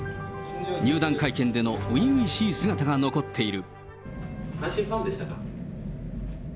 入団会見での初々しい姿が残っている。